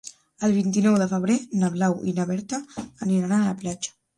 El vint-i-nou de febrer na Blau i na Berta aniran a la platja.